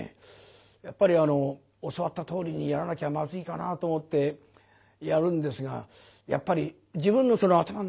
やっぱり教わったとおりにやらなきゃまずいかなと思ってやるんですがやっぱり自分の頭の中にね